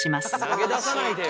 投げ出さないでよ！